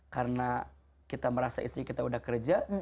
karena kita merasa istri kita sudah kerja